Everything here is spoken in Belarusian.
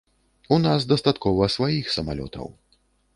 У нас дастаткова сваіх самалётаў.